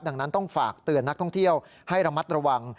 ดังนั้นต้องฝากเตือนนักท่องเที่ยวให้ระมัดระวัง